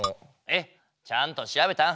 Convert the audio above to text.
えっちゃんとしらべたん？